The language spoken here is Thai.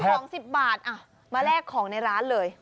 ซื้อของสิบบาทอ่ะมาแลกของในร้านเลย